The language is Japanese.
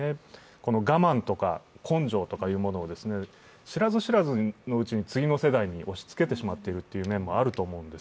この我慢とか根性とかいうものを知らず知らずのうちに次の世代に押しつけてしまっている面もあると思うんです。